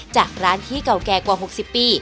จากร้านที่เก่าแก่กว่า๖๐ปี